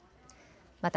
また